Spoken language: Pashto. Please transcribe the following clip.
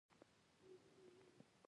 هره لوړه، هر تنګی هره شاګۍ